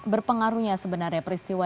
berpengaruhnya sebenarnya peristiwa